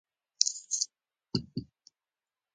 ونټ ورت دا مهال د محافظه کارانو په ډله کې و.